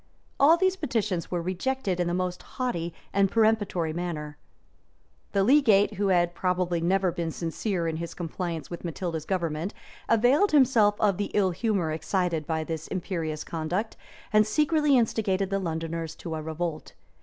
[] All these petitions were rejected in the most haughty and peremptory manner. [* Brompton, p. 1031.] [ Contin. Flor. Wigorn. p. 677. Gervase, p.1855] The legate, who had probably never been sincere in his compliance with Matilda's government, availed himself of the ill humor excited by this imperious conduct, and secretly instigated the Londoners to a revolt.